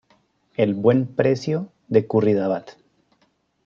El Buen Precio de Curridabat.